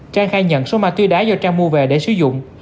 trang khai nhận số ma túy đá do trang mua về để sử dụng